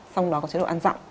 xong đó có chế độ ăn dặm